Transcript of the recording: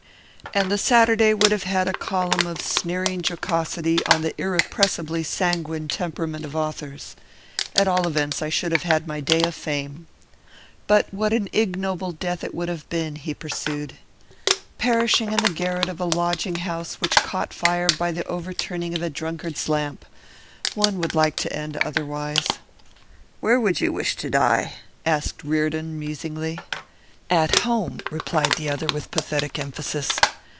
And the Saturday would have had a column of sneering jocosity on the irrepressibly sanguine temperament of authors. At all events, I should have had my day of fame.' 'But what an ignoble death it would have been!' he pursued. 'Perishing in the garret of a lodging house which caught fire by the overturning of a drunkard's lamp! One would like to end otherwise.' 'Where would you wish to die?' asked Reardon, musingly. 'At home,' replied the other, with pathetic emphasis.